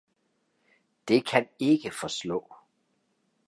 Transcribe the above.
Det kan ikke forslå